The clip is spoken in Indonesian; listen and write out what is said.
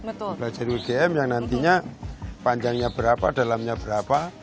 belajar ugm yang nantinya panjangnya berapa dalamnya berapa